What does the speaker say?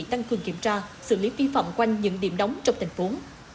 tăng cường kiểm tra xử lý vi phạm quanh những điểm đóng trong thành phố